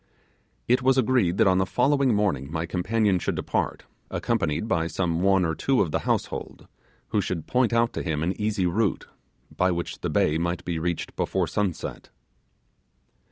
It was agreed that on the following morning my companion should depart, accompanied by some one or two of the household, who should point out to him an easy route, by which the bay might be reached before sunset.